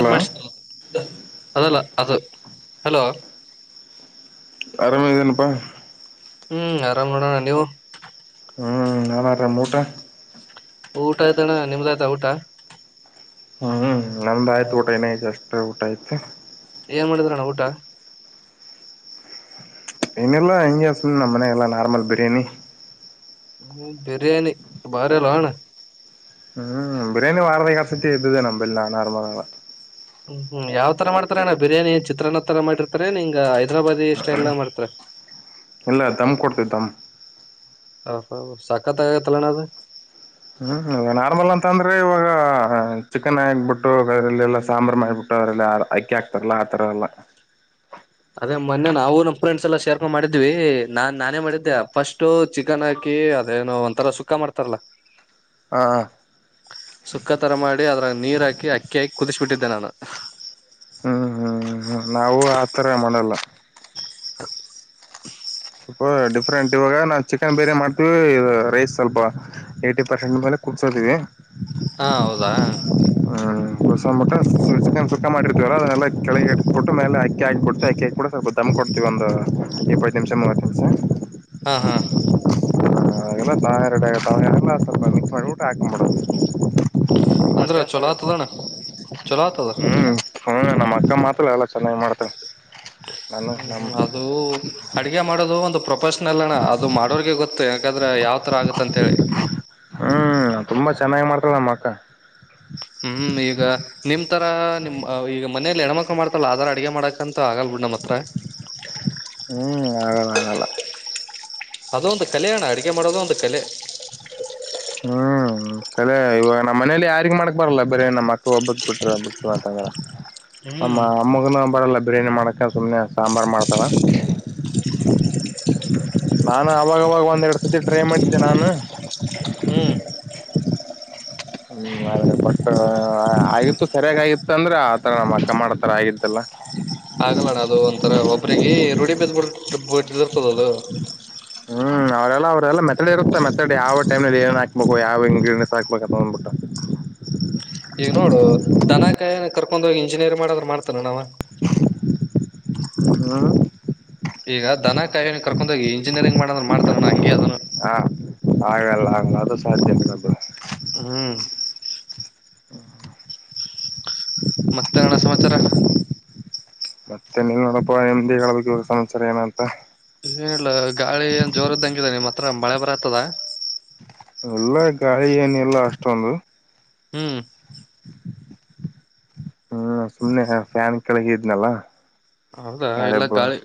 Hello ಅದಲ್ಲ ಅದು hello ಆರಾಮೇದನಪ್ಪಾ ಹ್ಮ್ ಆರಾಮ್ ನೋಡೋಣ ನೀವು ಹ್ಞೂ ನಾವಾರ್ರಮೂ ಉಟಾ ಊಟ ಆಐ್ತನ್ಣ ನಿಮ್ದಾಯ್ತಾ ಊಟ ಹ್ಮ್ ನಮ್ದ ಆಯ್ತು ಊಟ ಏನಾಯ್ತು ಅಷ್ಟ ಊಟ ಆಯ್ತು ಏನ್ ಮಾಡಿದ್ರಣ್ಣ ಊಟ ಇನ್ನಲ್ಲ ಹೆಯ ಸು ನಮ್ಮನ ಎಲ್ಲ ನಾರ್ಮಲ್ ಬಿರಿಯಾನಿ ಹ್ಮ ಬಿರಿಯಾನಿ ಬಾರ ಲನ್ ಹ್ಮ್ ಬಿರಿಯಾನಿ ವಾರತೆ ಕಸತೆ ಎ್ದದೆೇ ನಂಬಲ್ಲನ ಆಾರಮದಳ ಹ್ಮ್ ಹ್ಮ್ ಯಾವ್ ತರ ಮಾಡ್ತಾರಏಣ್ಣ ಬಿರಿಾನಿ ಚಿತ್ರಾನ್ನ ತರ ಮಾಡಿರ್ತಾರೆ ನೀಂಗ ಹೈದ್ರಾಬಾದಿ ಸ್ಟೈಲ್ನ ಮಾಡ್ತಾರ ಇಲ್ಲ ದಮ್ ಕೊಡ್ತವಿ ದಮ್ ಹ ಸಕತ್ ಆಗತ್ತಲ್ಲಣ ಅದು ಹ್ಮ್ ನಾರ್ಮಲ್ ಅಂತ ಅಂದ್ರೆ ಇವಾಗ ಚಿಕನ್ ಆಕ್ಬಿಟ್ಟು ಅದ್ರಲ್ಲೆಲ್ಲಾ ಸಾಂಬಾರ ಮಾಡಬಿಟ್ಟು ಅದ್ರಲ್ಲ ಅಕ್ಕಿ ಆಾಕ್ತಾರಲ್ಲ ಆತರ ಎಲ್ಲ ಅದೇ ಮೊನ್ನೆ ನಾವು ನಮ್ ಫ್ರೆಂಡ್ಸ್ ಎಲ್ಲ ಶೇರ್ ಕ ಮಾಡಿದ್ವಿ ನಾನ್ ನಾನೇ ಮಾಡಿದ್ದೆ ಫಸ್ಟ್ು ಚಿಕನ್ ಹಾಕಿ ಅದೇನುೋ ಒಂಥರಾ ಸುಕ್ಕ ಮಾಡ್ತಾರಲ್ಲಾ ಹಾ ಸುಕ್ಕ ತರ ಮಾಡಿ ಅದ್ರ ನೀರ್ ಹಾಕಿ ಅಕ್ಕಿ ಹಾಕಿ ಕುದಿಸಬಿಟ್ಟ ಇ್ದನ ಹ್ಮ್ ಹ್ಮ್ ಹ್ಮ್ ನಾವವು ಆತರ ಮಾಡಲ್ಲ ಹ ಸ್ವಲ್ಪ ಡಿಫ್ರೆಂಟ್ ಇವಾಗ ನಾವು ಚಿಕನ್ ಬೇರೆ ಮಾಡ್ತೀವಿ ರೈಸ್ ಸ್ವಲ್ಪ ಏಯ್ಟಿ ಪರ್ಸೆಂಟ್ ಮೇಲೆ ಕುಡ್ಸೋದೀವಿ ಹಾ ಹೌದಾ ಬಸಬಿಟ್ಟ ಚಿಕನ್ ಸಕ್ಕ ಮಾಡಿರ್ತೀವ ಅದನ್ನಲ್ಲ ಕೆಳಗೆಿಟ್ಬಿಟ್ಟ ಮೇಲೆ ಅಕ್ಕಿಾಕ್ಬಿಡ್ಟ್ಟು ಅಕ್ಕಿ ಹಾಕ್ಬಿಟ್ಟ ಸ್ವಲ್ಪ ದಮ್ ಕೊಡ್ತಿವಿ ಒಂದು ಇಪ್ಪೈ ಚವತ ಸರ್ ಹಾ ಹಾ ಲ್ಲ ತ ಎರಡಾವಪ ಮಾಡ್ಬಿಟ್ಟು ಹಾಕಬಡೋದು ಅಂದ್ರ ಅಷ್ಟ ಚೊಲೋ ಹೋಗಾ ಆತದಣ್ಣ ಚೊಲೋ ಆತದ ಹ್ಮ್ ಹ್ಮ ನಮ್ಮ ಮಾತ್ರ ಅಲ್ಲ ನಮ್ ಹ್ಮ್ ಅದು ಅಡಗೆ ಮಾಡೋದು ಒಂದು ಪ್ರೊಪಶ ಲ್ಲಣ ಅದು ಮಾಡೋರ್ಗೆ ಗೊತ್ತು ಯಾಕಾದ್ರೆ ಯಾವ್ ತರ ಆಗತ್ತ ಅಂತ ಹೇಳಿ ಹ್ಮ್ ತುಂಬಾ ಚೆನ್ನಾಗಿ ಮಾಡ್ತಲ್ಲ ನಮ್ಮ ಅಕ್ಕ ಹ್ಮ್ ಈಗ ನಿಮ ತರ ನಿಮ್ ಈಗ ಮನೇಯಲ್ಲಿ ಹೆಣ್ಮಕ್ ಮಾಡತಲ್ಲ ಆದರ ಅಡಿಗೆ ಮಾಡಕಂತ ಮ ಆಗಲ್ ಬಿಡ್ ನಮ್ಮ್ ಹತ್ರ ಹ್ಮ್ ಆಗಲ್ಲ ಆಗಲ್ಲ ಅದ ಒಂದು ಕಲೆ ಅಣ್ಣ ಅಡಗೆ ಮಾಡೋದ ಒಂದು ಕಲೆ ಹ್ಮ್ ಕಲೆ ಇವಾಗ ನಮ್ಮ ಮನೇಲಿ ಯಾರಿಗಗ್ ಮಾಡಕ್ ಬಾರಲ್ಲ ಬರೇ ನಮ್ಮ ಅಕ್ಕ ಒಬ್ಬಕ್ ಬಿಟ್ರ ಬಿಟ್ಟಂತ ಆ ಹ್ಮ್ ಅಮ್ಮಗನ ಬಳ ರೇನು ಮಾಡಕ್ಕೆ ಸುಮ್ಮನೆ ಸಾಂಬಾರು ಮಾಡ್ತವೆ ನಾನು ಅವಾಗವಾಗ ಒಂದ್ರಡು ಸತಿ ಟ್ರೈ ಮಾಡಿದ್ದೆ ನಾನು ಹ್ಮ್ ಹ್ಮ್ ಅ ಬಟ್ ಆಗಿತ್ತು ಸರಿಯಾಗಿತ ಅಂದ್ರೆ ಆತರ ನಮ್ಮ ಅಕ್ಕ ಮಾಡತರ ಆಗಿತ್ತಲ್ಲ ಆಗಲ್ಲಣ್ಣ ಅದು ಒಂಥರ ಒಬ್ಬ್ರಿಗೆ ರೂಢಿ ಬದ್ ಬಿ ಇದು [unintelligible] ಹ್ಮ್ ಅವರೆೆಲ್ಲ ಅವರೆಲ್ಲ ಮೆತೆಡ್ ಇರುತ್ತಾ ಮೆತೆಡ್ ಯಾವ ಟೈಮ್ನಲ್ಲಿ ಏನ್ ಹಾಕ್ಬೇಕು ಯಾವ ಇಂಗ್ರೀಡಿಯನ್ಸ್ ಹಾಕ್ಬೇಕು ಅಂತ ಬಂದ್ಬಿಟ್ಟ ಈಗ ನೋಡು ದನ ಕಾಯ ಕರ್ಕೊಂಡೋಗ ಇಂಜಿನಿಯರ್ ಮಾಡ್ರ ಮಾಡ ತ ನವ ಹ ಈಗ ದನ ಕಾಯ ಕರ್ಕೊಂಡ ಹೋಗಿ ಇಂಜಿನಿಯಂಗ್ ಮಾಡ್ರ ಮಾಡ್ತಾನಣ ಹಂಗಗೆ ಅದ ಹಾ ಹಾಗಲ್ಲ ಹಾಂಗಾದ ಸಾಧ್ಯಲ್ಲ ಹ್ಮ್ ಹ ಮತ್ತೆ ಹಣ ಸಮಾಚಾರ ಮತ್ತೆ ನಿಲ್ ನೋಡಪ್ಪ ನಿಮ್ದಿ ಹೇಳಬೇಕ ಸಮಾಚಾರ ಏನ ಅಂತ ಹೇಳ ಗಾಳಿ ಏನ್ ಜೋರದ್ದಂಗಿದೆ ನಿಮ್ ಹತ್ರ ಮಳೆ ಬರತ್ತದ ಎಲ್ಲ ಗಾಳಿ ಏನಿಲ್ಲ ಅಷ್ಟೊಂದು ಹ್ಮ್ ಹ್ಮ ಸುಮ್ನೆ ಫ್ಯಾನ್ ಕೆಳಗೆ ಇದ್ನಲ್ಲ ಹೌದಾ ಎಲ್ಲ ಗಾಳಿ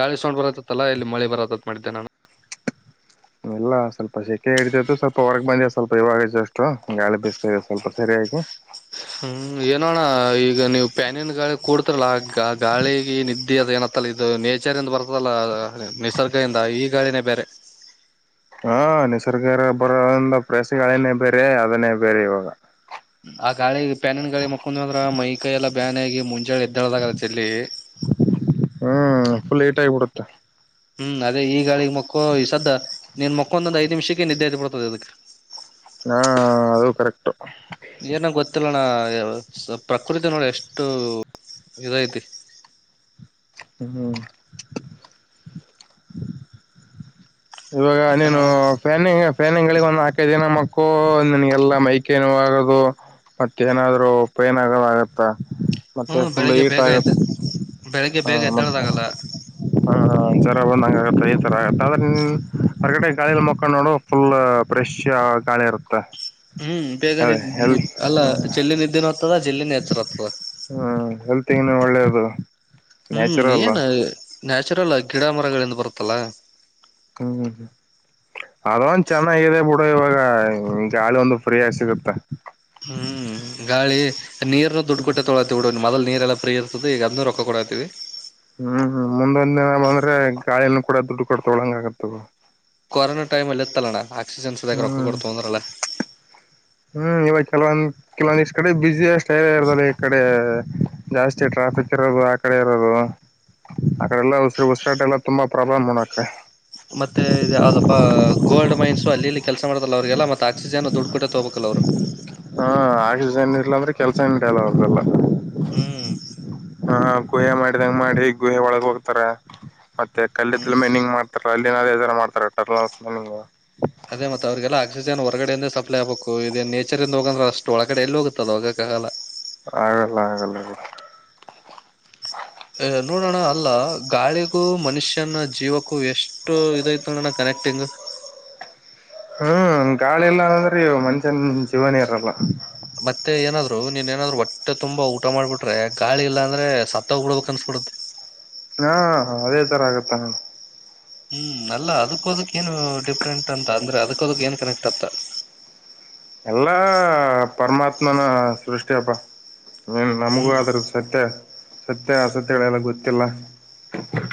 ಗಾಳಿ ಸೌ್ ಬರತ್ತತ್ತಲ್ಲಾ ಇಲ್ಲಿ ಮಳೆ ಬರತತ್ ಮಾಡಿದ್ದೆ ನಾನು ಇಲ್ಲ ಸ್ವಲ್ಪ ಸೆಖೆ ಹಿಡತತ್ತು ಸ್ವಲ್ಪ ಹೊರಗ್ ಬಂದಿದೆ ಸ್ವಲ್ಪ ಇವಾಗತ್ತು ಅಷ್ಟು ಗಾಳಿ ಬಿಸ್ತದೆ ಸ್ವಲ್ಪ ಸರಿಯಾಗಿ ಹ್ಮ್ ಏನೋಣ್ಣ ಈಗ ನೀವು್ ಪ್ಯಾನಿನ್ ಗಾಳಿ ಕೂಡ್ತರಲ್ಲ ಗಾಳಿಿಗೆ ನಿದ್ದೆ ಅದ ಏನತ್ತಲ್ಲ ಇದು ನೇಚರ್ಂದ ಬರ್ತಲ್ಲ ನಿಸರ್ಗ ಇಿಂದ ಈ ಗಾಳಿನೇ ಬೇರೆ ಹಾ ನಿಸರ್ಗ ಬರೋದಂದ ಪ್ರಯಸಗಳೇನೇ ಬೇರೆ ಅದನ್ನೇ ಬೇರೆ ಇವಾಗ ಆ ಕಾಳ ಪ್ಯಾನಿನ ಗಾಳಿ ಮಕ್ಕೊಂಡ್ ಹಂದ್ರ ಮೈ ಕೈ ಎಲ್ಲ ಬ್ಯಾನ ಆಗಿ ಮುಂಜಾಳೆ ಎದ್ದಾಳದಾಗಾರತ್ತ ಇಲ್ಲಿ ಇಡತ್ತ ಹ್ಮ್ ಅದೇ ಈಗಾಳಿಗ್ ಮಕ್ಕಳ ಈ ಸದ್ದ ನಿನ್ ಮಕ್ಕೊಂದೊಂದು್ ಐದ ನಿಮಿಷಕ್ಕೆ ನಿದ್ದೆಐತಿ ಬಿಡ್ತದೆ ಅದಕ್ಕೆ ಹಾ ಅದು ಕರೆಕ್ಟ್ ಏನ ಗೊತ್ತಿಲ್ಲಣ್ಣ ಪ್ರಕೃತಿ ನೋಡಿ ಎಷ್ಟು ಇದಐತಿ ಹ್ಮ ಇವಾಗ ಮತ್ತ ನೀನು ನೋಣ ಫ್ಯಾನಿಂಗ್ ಫ್ಯಾನಿಂಗ ಗಳಿಗೆ ಒಂದ್ ಹಾಕೈಿನ ನಕೋ ನನ್ಗೆಲ್ಲಾ ಮೈಕೇನುೋ ಆಗದು ಮತ್ತ ಏನಾದ್ರು ಉ ಪೈನ್ ಆಗದ ಆಗತ್ತ ಮತ್ತೆ ಹ್ಮ್ ಫುಲ್ ಬೆಳಿಗ್ಗೆ ಈಟ್ ಬೇಗ ಆಗುತ್ತ ಎದ್ದ ಬೆಳಿಗ್ಗೆ ಹ ಬೇಗ ಮತ್ತೆ ಎದ್ದಳದಾಗಲ್ಲ ಹ ಜರ ಬಂದ ತತರ ಅದನ್ನು ಹೊರಗಡೆ ಗಾಳಿಯಲಿ ಮುಕೊಂಡ್ ನೋಡು ಫುಲ್ ಫ್ರೆಶ್ ಗಾಳಿ ಇರುತ್ತೆ ಹ್ಮ್ ಬೇಗ ಅದೇ ನಿದ್ದೆ ನ ಹೆಲ್ ಅಲ್ಲ ಜಲ್ಲಿ ನಿದ್ದೆನು ಹ್ತದ [unintelligible] ಜಲ್ನ್ದೀನೆಹೆಚರಾಗ್ತದ. ಹ ಹೆಲ್ತ್ಗನು ಒಳ್ಳೇದು. ಹ್ಮ್,, ನ್ಯಾಚುರಲ್ ಏನ... ನ್ಯಾಚುರಲ್ ಗಿಡ ಮರಗಳಿಂದ ಬರುತ್ತಲ್ಲ. ಹ್ಮ್, ಅದೊಂದ ಚೆನ್ನಾಗಿದೆ ಬಿುಡು ಇವಾಗ ಗಾಳಿ ಒಂದು ಫ್ರೀಯಾಗಿ ಸಿಗುತ್ತ. ಹ್ಮ್, ಗಾಳಿ- ನೀರ ದುಡ್ಡು ಕೊಟ್ಟ ತೊಳಾತಿವಿಬಿಡು. ನ್ಮೊದಲ್ ನೀರೆಲ್ಲ ಫ್ರೀಇರ್ತದೆ ಈಗ ಅದನ್ನ ರೊಕ್ಕ ಕೊಡತೀವಿ ಹ್ಮ್, ಮುಂದೊಂದ ದಿನ ಬಂದ್ರೆ ಗಾಳಿನ ಕೂಡ ದುಡ್ಡು ಕೊಡ್ತೊಳಂಗ ಆಗತ್ತವ. ಕೊರೋನಾ ಟೈಮ್ಲಿಇತ್ತಲ್ಲಣ- ಹ್ಮ್, ಹ್ಮ್ ಇವಾಗಚಲೋ.. ಕೆಲಂದ ಇಷ್ಟ ಕಡೆ ಬಿಸಿಷ್ಟ ಎನ ಇರ ಈ ಕಡೆ ಜಾಸ್ತಿ ಟ್ರಾಫಿಕ್ ಇರೋದು. ಆ ಕಡೆ ಇರೋದು ಆಕಡೆಲ್ಲಾ ಉಸರು ಉಸಿರಾಟ ಎಲ್ಲ ತುಂಬಾ ಪ್ರಾಬ್ಲಮ್ ನೋಡಕ. ಮತ್ತೆ ಇ ಯಾವ್ದಪ್ಪ ಗೋಲ್ಡ್ ಮೈನ್ಸು ಅಲ್ಲಿಲ್ಲಿ. ಕೆಲ್ಸ ಮಾಡ್ತಿದ್ರಲಅವ್ರರಿಗೆಲ್ಲಾ ಮತ್ತೆ ಆಕ್ಸಿಜನ್ ದುಡ್ಡು ಕೊಟ್ಟೆ ತಗಬೇಕಲ್ಲ. ಅವ್ರು -ನ್ ಇಡ್ಲ್ ಅಂದ್ರೆ ಕೆಲಸ ನಡೆಲ್ಲ ಅವ್ರಲ್ಲ. ಹ್ಮ್,, ಹ ಗುಹೆ ಮಾಡಿದಂಗ ಮಾಡಿ ಗುಹೆ ಒಳಗ ಹೋಗ್ತಾರ. ಮತ್ತೆ ಹ್ಮ್ ಕಲ್ಲಿದ್ದ ಮೇನ್ ಹಿಂಗ ಮಾಡ್ತಾರ. ಅ ಮಾಡತ [unintelligible] ಅದೇ ಮತ್ತ ಅವ್ರಿಗೆಲ್ಲ ಆಕ್ಸಿಜನ್ ಹೊರಗಡೆಯಿಂದೇ ಸಪ್ಲೈ ಆಗ್ಬೇಕು. ಇದೇ ನೇಚರಿಂದ ಹೋಗಂದ್ರೆಷ್ಟು ಒಳಗಡೆ ಎಲ್ಲಿ ಹೋಗುತ್ತಲ್ಲ ಹೋಗ ಕಾಗಲ್. ಲ ಆಗಲ್ಲ, ಆಗಲ್ಲ,, ಅ ನೋಡೋಣ ಅಲ್ಲ ಗಾಳಿಗೂ ಮನುಷ್ಯನ ಜೀವಕ್ಕೂ ಹ ಎಷ್ಟು ಇದೈತ ನಣ ಕನೆಕ್ಟಿಂಗ್. ಹ್ಮ್ ಗಾಳಿಲ್ಲಾ ಅನಂದ್ರೆ ಮನ್ಷ್ಯನ್ ಜೀವನೇ ಇರಲ್ಲ. ಮತ್ತೆ ಏನಾದ್ರು ನೀನ್ ಏನಾದ್ರು ಹೊಟ್ಟೆ ತುಂಬಾ ಊಟ ಮಾಡ್ಬಿಟ್ರೆ. ಗಾಳಿ ಇಲ್ಲಾಂದ್ರೆ ಸತ್ತೋಗ್ಬ ಬಿಡಕ್ ಅನ್ಸ್ಬಿಡುತ್ತೆ. ಹಾ ಅದೇ ತರ ಆಗತ್ತ. ಅಣ್ಣ ಹ್ಮ್, ಅಲ್ಲ ಅದಕ್ಕೋದಕ್ ಏನ್ ಡಿಫ್ರೆಂಟ್ ಅಂತ ಅಂದ್ರೆ ಅದಕ್ಕೋದಕ್ ಏನ್ ಕನೆಕ್ಟ್ ಅಂತ್ತ, ಎಲ್ಲಾ ಪರಮಾತ್ಮನ ಸೃಷ್ಟಿಯಪ್ಪ. ಹ್ಮ, ನಮಗೂ ಹ್ಮ್ ಅದ್ರ್ದ ಸತ್ಯ, ಸತ್ಯ ಅಸತ್ಯ ಗಳೆಲ್ಲ ಗೊತ್ತಿಲ್ಲ.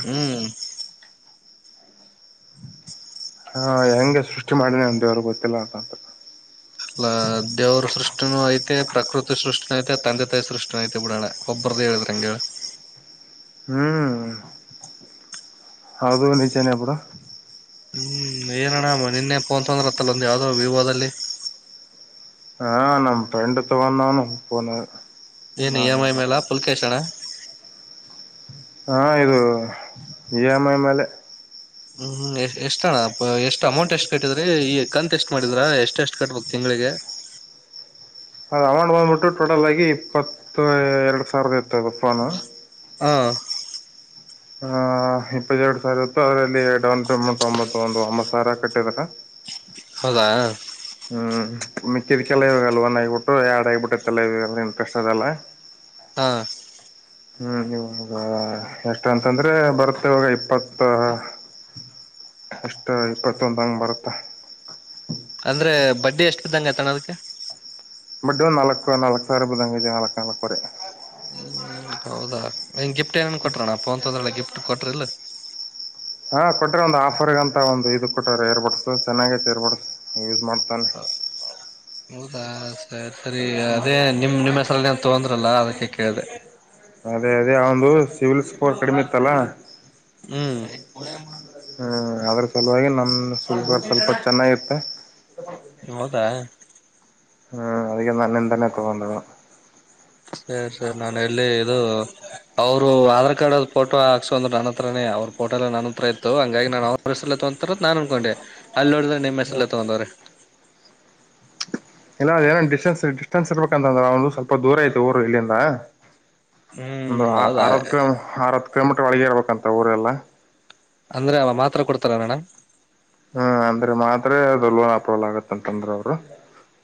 ಹ್ಮ್, ಹಾ ಹೆಂಗೆ ಸೃಷ್ಟಿ ಮಾಡಿದೆ ಅ ದವ್ರ ಗೊತ್ತಿಲ್ಲ ಅಂತಂತ. ಅಲ್ಲ ದೇವರ ಸೃಷ್ಟಿನೂ ಐತೆ, ಪ್ರಕೃತಿ ಸೃಷ್ಟಿ- ತಂದೆ, ತಾಯಿ ಸ್ನುಷ್ಟಿನುಐತೆ ಬುಡಣ ಒಬ್ಬ್ರದಹೇಳದರೆಂಗಣ. ಹ್ಮ್, ಹೌದುನಿಜನೆಬಿಡ. ಹ್ಮ್ ಏನಣ್ಣ ನಿನ್ನೆ ಫೋನ್ ತೊಂದ್ರಂತ್ತಲ್ಲ ಒಂದು ಯಾವ್ದೋ ವಿವೋದಲ್ಲಿ. ಹಾ, ನಮ್ಮ ಪ್ರೆಂಡ ತಗಂದಾನಪೋನ. ಏನ್ ಇ ಎಂ ಐ ಮೇಲ ಪುಲ್ಕೇಶಣ್ಣ ಹಾ ಇದು ಇ ಎಮ್ ಐ ಮೇಲೆ ಹ್ಮ್ ಎ ಎಷ್ಟ ಅಣ್ಣ ಎಷ್ಟ್ ಅಮೌಂಟ್ ಎಷ್ಟ್ ಕಟ್ಟಿದ್ರಿ ಈ ಕಂತ ಎಷ್ಟ್ ಮಾಡಿದ್ರ ಎಷ್ಟ ಎಷ್ಟು ಕಟ್ಬೇಕು ತಿಂಳಿಗೆ ಅದ ಅಮೌಂಟ್ ಬಂದ್ಬಿಟ್ಟು ಟೋಟಲ್ ಆಗಿ ಇಪ್ಪತ್ತು ಎರಡ್ ಸಾವಿರದ ಇತಫೋನು ಹಾಂ ಇಪ್ಪತ್ತೆರಡು ಸಾವಿರ ಇತ್ತು ಅದರಲ್ಲಿ ಡೌನ್ ಪೇಮೆಂಟ್ ಒಂಬತ್ತು ಒಂದು ಒಂಬತ್ತು ಸಾವಿರ ಕಟ್ಟಿದಾರ ಹೌದಾ ಹ್ಮ ಮಿಕ್ಕಿದಕ್ಕೆಲ್ಲ ಇವಾಗಲ್ಲ ಒನ್ ಆಗಿಬಿಟ್ಟು ಎರಡ್ ಆಗಿಬಿಟ್ಟೈತ್ತಲ್ಲ ಇವ ಇಂಟ್ರೆಸ್ಟ್ ಅದಲ್ಲ ಹಾ ಹ್ಮ್ ಇವಾಗ ಎಷ್ಟ ಅಂತಂದ್ರೆ ಬರ್ತ್ತ ಇವಾಗ ಇಪ್ಪತ್ತ ಎಷ್ಟ ಇಪ್ಪತ್ತೊಂದ ಹಂಗ ಬರುತ್ತ ಅಂದ್ರೆ ಬಡ್ಡಿ ಎಷ್ಟ್ದಂಗತಣೋದಕ್ಕೆ ಬಟ್ ನಾಲ್ಕುರೆ ನಾಲ್ು ಸಾವಿರ ರೂಪದಂಗ ನಾಲ್ಕು ನಾಲ್ಕುವರೆ ಹೌದಾ ನಿಂಗ್ ಗಿಫ್ಟ್ ಏನ್ ಕೊಟ್ಟಣಪ್ಪ ಅಂತಂದ್ರಲ್ಲ ಗಿ್ ಕೊಟ್ರ ಇಲ್ಲ ಹಾ ಕೊಟ್ರೆ ಒಂದು್ ಆಫರ್ಗ ಅಂತ ಒಂದು ಇದ ಕೊಟ್ಟ್ರ ಏರ್ಬಡ್ಸ್ ಚೆನ್ನಾಗೈತಿ ಏರ್ ಬಡ್ಸ್ ಯಸ್ ಮಾಡ್ತ ಪ್ಪಲ್ ಹೌದಾ ಸರ್ ಸರಿ ಅದೇ ನಿಮ್ಮ ನಿಮ್ಮ ಹೆಸರ ಅಂತ ತೊಂದ್ರಲ್ಲ ಅದಕ್ಕೆ ಕೇಳ್ದ ಅದೇ ಅದೇ ಒಂದು ಸಿವಿಲ್ ಸ್ಕೋರ್ ಕಡಿಮೆ ಇತ್ತಲ್ಲ ಹ್ಮ್ ಹ್ಮ ಅ್ರ ಸಲುವಾಗಿ ನಮ್ದ ಸ್ವಲ್ಪ ಸ್ವಲ್ಪ ಚೆನ್ನಾಗಿತ್ತೆ ನಿ ಹದಾ ಹ್ಮ್ ಅದಿಕ ನ ನಿಂತನ ತಗೊಂಡ ಸರಿ ಸರಿ ನಾನು ಅಲ್ಲಿ ಇದು ಅವರು ಆಧಾರ್ ಕಾರ್ಡ್ ಫೋಟೋ ಹಾಕ್ಕ ಅಂದ್ರ ನನ್ನ ಹತ್ರನೇ ಅವ್ರಫೋಟೋ ಎಲ್ಲ ನನ್ನ ಹತ್ರ ಇತ್ತು ಹಂಗಾಗಿ ನಾನ ಅವ ನಾನನ್ ಅಂದಕೊಂಡೆ ಅಲ್ಲಿ ನೋಡ ಮನಿಮ್ಮ್ ಹೇಸರಲ್ಲೆ ತುಗದ್ರೆ ಇಲ್ಲ ಅದ ಏನ ಡಿಸ್ಟೆನ್ಸ್ ಡಿಸ್ಟೆನ್ ಇರ್ಬೇಕಂತಂದ್ರೆ ಅವ ಒಂದು ಸ್ವಲ್ಪ ದೂರ ಐತು ಊರು ಇಲ್ಲಿಂದ ಹ್ಮ್ ಒಂದು ಹೌದಾ ಅತ್ ಆ ಕಮಟ್ರ ಒಳಗೆ ಇರಬೇಕಂತ ಊರೆಲ್ಲ ಅಂದ್ರೆ ಅವ ಮಾತ್ರ ಕೊಡ್ತಾರ ಮೇಡ ಹ್ಮ್ ಅಂದ್ರೆ ಮಾತ್ರ ಅದೊಲ್ಲಲ್ ಆಪೋಲ್ ಆಗತ್ತ ಅಂತಂದ್ರ ಅವರು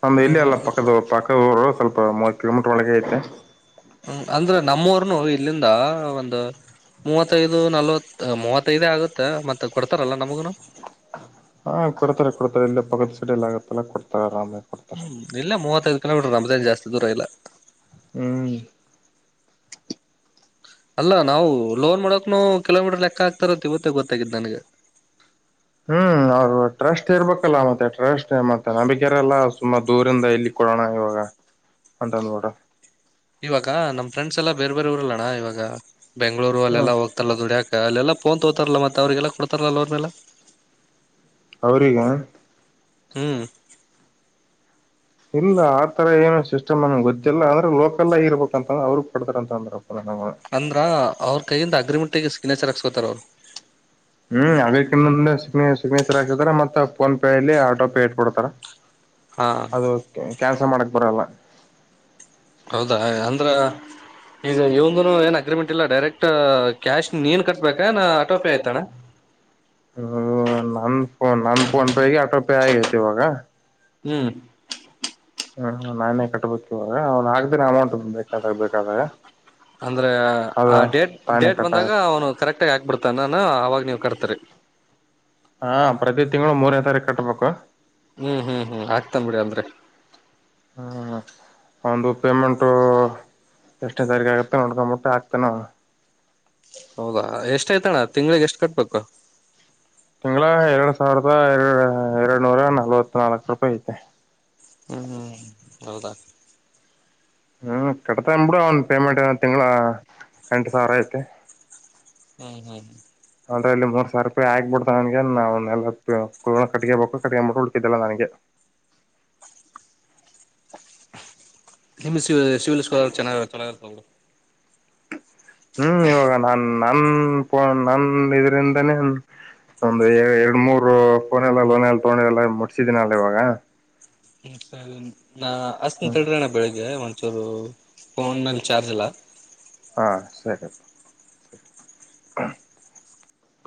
ನಮ್ ಇಲ್ಲಿ ಹ್ಮ್ ಎಲ್ಲ ಪಕ್ಕದ ಪಕ್ಕದ ಸ್ವಲ್ಪ ಮ ಹ್ಮ ಅಂದ್ರೆ ನಮ್ಮವರ್ನು ಹೋಗ ಇಲ್ಲಿಂದ ಒಂದು ಮೂವತ್ತೈದು ನಲ್ವತ್ ಮೂವತ್ತೈದೇ ಆಗುತ್ತೆ ಮತ್ತೆ ಕೊಡ್ತಾರಲ್ಲ ನಮಗುನು ಹಾ ಕೊಡ್ತಾರೆ ಕೊಡ್ತಾರೆ ಇಲ್ಲ ಪಗತ್ ಸಡಿಿಯಲ್ಲ ಆಗತ್ತಲ್ಲ ಕೊಡ್ತಾರೆ ಆರಾಮೇ ಹ್ಮ್ ಇಲ್ಲೇ ಮೂವತೈದ್ ಕಿಲೋಮೀಟ್ರು [unintelligible] ದೂರ ಇಲ್ಲ ಹ್ಮ್ ಅಲ್ಲ ನಾವು ಲೋನ್ ಮಾಡಕ್ನು ಕಿಲೋಮೀಟರ್ ಲೆಕ್ಕ ಆಕ್ತಾರಂತ್ ಇವತ್ತೆ ಗೊತ್ತಾಗಿದ್ ನನ್ಗ ಹ್ಮ್ ಅವ್ರು ಟ್ರಸ್ಟ್ ಇರ್ಬೇಕಲ್ಲ ಮತ್ತೆ ಟ್ರಸ್ಟ್ ಮತ್ತೆ ನಂಬಿಕೆ ಇರಲ್ಲ ಸುಮ್ನ ದೂರಿಂದ ಇಲ್ಲಿ ಕೊಡಣ ಇವಾಗ ಅಂತಂದ್ ನೋಡ ಇವಾಗ ನಮ್ ಫ್ರೆಂಡ್ಸ್ ಎಲ್ಲ ಬೇರೆ ಬೇರೆ ಊರಲ್ಲಣ್ಣ ಇವಾಗ ಬೆಂಗ್ಳೂರು ಹ್ಮ ಅಲ್ಲೆಲ್ಲ ಹೋಗ್ತರಲ್ಲ ದುಡ್ಯಕ್ ಅಲ್ಲೆಲ್ಲಾ ಪೋನ್ ತಗೊತಾರಲ್ಲ ಮತ್ ಅವ್ರಿಗೆಲ್ಲ ಕೊಡ್ತಾರಲ್ಲ [unintelligible] ಮೆಲ್ಲ ಅವ್ರಿಗ ಹ್ಮ್ ಇಲ್ಲ ಆತರ ಏನು ಸಿಸ್ಟಮ್ ನನ್ಗ್ ಗೊತ್ತಿಲ್ಲ ಅಂದ್ರೆ ಲೋಕಲ್ ಆಗ್ ಇರ್ಬೇಕ್ ಅಂತ ಅವ್ರುಗ್ ಕೊಡ್ತಾರಂತ ಅಂದ್ರ ಅವ್ರ್ ಕೈಯಿಂದ ಅಗ್ರಿಮೆನ್ಟಿಗೆ ಸಿಗ್ನೇಚರ್ ತರವ್ರು ಹ್ಮ್ ಅದಕ್ ಇನ್ನ ಸಿಗ್ [unintelligible] ಹಾಕಿರ್ತರ ಮತ್ತೆ ಫೋನ್ ಪೇಲ್ಲಿ ಆಟೋ ಪೇ ಇಟ್ಕೋಡ್ತಾರ ಹಾ ಅದುಕೆ ಮಾಡಕ್ ಬರಲ್ಲ ಹೌದಾ ಅಂದ್ರ ಈಗ ಇವ್ನ್ದುನು ಏನ್ ಅಗ್ರಿಮೆಂಟ್ ಇಲ್ಲ ಡೈರೆಕ್ಟ್ ಕ್ಯಾಶ್ ನೀನ್ ಕಟ್ಬೇಕಾ ನಾ ಆಟೋ ಪೇ ಅಯ್ತಣ ಹ್ಮ ನನ್ ಫೋ ನನ್ ಫೋನ್ಪೇಗೆ ಆಟೋಪೇ ಆಗೈತಿ ಇವಾಗ ಹ್ಮ್ ಹ್ಮ್ ನಾನೇ ಕಟ್ಬೇಕ್ ಇವಾಗ ಅವ್ನ್ ಆಗ್ದ್ರೆ ಅಮೌಂಟ್ ಬೇಕಾದಾಗ್ ಬೇಕಾದಾಗ ಅಂದ್ರೆ ಅದ ಆ ಡೇಟ್ ತಾನೇ ಡೇಟ್ ಬಂದಾಗ ಕಟ್ಟಾಗತ್ತೆ ಅವ್ನು ಕರೆಕ್ಟ್ ಆಗ ಹಾಕ್ಬಿಡ್ತಾನ ನ ಅವಾಗ್ ನೀವ್ ಕಟ್ತಿರಿ ಹಾ ಪ್ರತಿ ತಿಂಗ್ಳು ಮೂರ್ನೆ ತಾರೀಕ್ ಕಟ್ಬೇಕು ಹ್ಮ್ ಹ್ಮ್ ಹ್ಮ್ ಆಗ್ತನ್ ಬಿಡಿ ಅಂದ್ರೆ ಹಾ ಒಂದು ಪೇಮೆಂಟು ಎಶ್ಟ್ನೇ ತಾರೀಕ್ ಆಗುತ್ತೆ ನೋಡ್ಕೊಂಬಿಟ್ಟೆ ಹಾಕ್ತನೆ ಅವ್ನು ಹೌದಾ ಎಷ್ಟ್ ಐತಣ್ಣ ತಿಂಗ್ಳಿಗೆ ಎಷ್ಟ್ ಕಟ್ಬೇಕು ತಿಂಗ್ಳ ಎರಡ್ ಸಾವಿರದ ಎರ ಎರ್ಡು ನೂರ ನಲ್ವತ್ ನಾಲ್ಕು ರೂಪಾಯಿ ಐತೆ ಹ್ಮ್ ಹೌದ ಹ್ಮ್ ಕಟ್ತನ್ಬಿಡ ಅವ್ನ್ ಪೇಮೆಂಟ್ ಏನ್ ತಿಂಗ್ಳ ಎಂಟ್ ಸಾವಿರ ಐತೆ ಹ್ಮ್ ಹ್ಮ್ ಅದ್ರಲ್ಲಿ ಮೂರ್ ಸಾವ್ರ್ ರೂಪಾಯಿ ಆಕ್ಬಿಡ್ತ ನನ್ಗೆ ನ ಎಲ್ಲಾ ಕಟ್ಗಬೇಕು ಕಟ್ಕಮ್ಬುಟ್ ಉಳ್ದಿದ್ದೆಲ್ಲ ನನ್ಗೆ ನಿಮ್ ಶಿವಲ್ಸ್ಕ [unintelligible] ಹ್ಮ್ ಇವಾಗ ನಾನ್ ನನ್ ಪೊನ್ ನನ್ ಇದ್ರಿಂದಾನೇ ಒಂದು ಎರಡ್ ಮೂರು ಫೋನ್ ಎಲ್ಲ ಲೋನಲ್ ತಗೊಂಡ ಎಲ್ಲ ಮುಟ್ಸಿದೀನಲ್ಲ ಇವಾಗ ಹ್ಮ ಆಹ್ ಅಷ್ಟಂತಡ್ರಣ್ಣ ಬೆಳಿಗ್ಗೆ ಚುರು ಫೋನ್ ನಲ್ಲಿ ಚಾರ್ಜ್ ಇಲ್ಲ ಹಾ ಸರಿ ಹ್ಮ